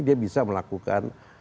dia bisa melakukan